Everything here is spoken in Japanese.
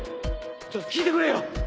ちょっと聞いてくれよ。